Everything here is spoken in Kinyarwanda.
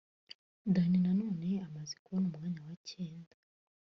Danny Nanone amaze kubona umwanya wa cyenda